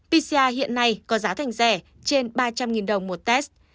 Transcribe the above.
pcr hiện nay có giá thành rẻ trên ba trăm linh đồng một test